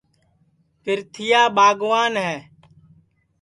پِرتھِیا ٻاگوان ہے